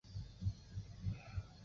勒维巴。